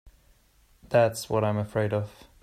That's what I'm afraid of.